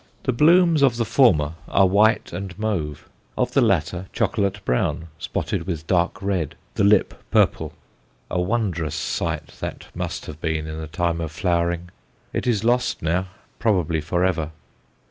The blooms of the former are white and mauve, of the latter chocolate brown, spotted with dark red, the lip purple. A wondrous sight that must have been in the time of flowering. It is lost now, probably for ever.